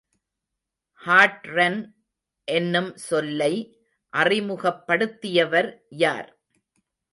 ஹாட்ரன் என்னும் சொல்லை அறிமுகப்படுத்தியவர் யார்?